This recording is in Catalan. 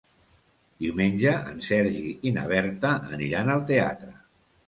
Diumenge en Sergi i na Berta aniran al teatre.